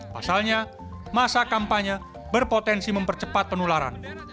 pasalnya masa kampanye berpotensi mempercepat penularan